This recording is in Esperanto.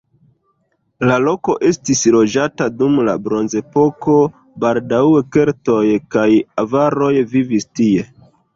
La loko estis loĝata dum la bronzepoko, baldaŭe keltoj kaj avaroj vivis tie.